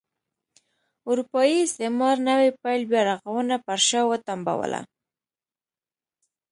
اروپايي استعمار نوي پیل بیا رغونه پر شا وتمبوله.